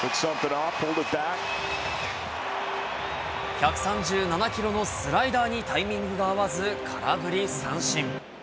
１３７キロのスライダーにタイミングが合わず、空振り三振。